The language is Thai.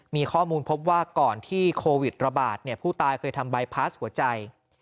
มีข้อมูลพบว่าก่อนที่โควิดระบาดผู้ตายเคยทำบายพาสหัวใจ